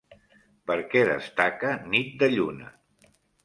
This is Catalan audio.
Per què destaca Nit de lluna?